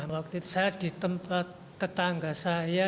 waktu itu saya di tempat tetangga saya